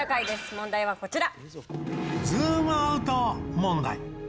問題はこちら。